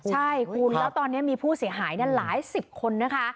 ใช่คุณแล้วตอนนี้มีผู้เสียหายหลายสิบคนนะคะ